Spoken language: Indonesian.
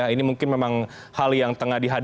ini mungkin memang hal yang tengah dihadapi